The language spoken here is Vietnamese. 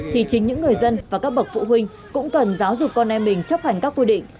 thì chính những người dân và các bậc phụ huynh cũng cần giáo dục con em mình chấp hành các quy định